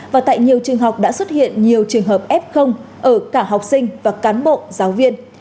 và tại nhiều trường học đã xuất hiện nhiều trường hợp f ở cả học sinh và cán bộ giáo viên